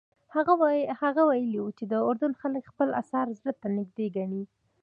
هغه ویلي وو چې د اردن خلک خپل اثار زړه ته نږدې ګڼي.